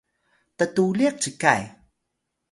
ttuliq cikay!